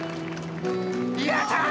やったー！